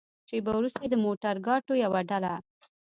شېبه وروسته د موترګاټو يوه ډله.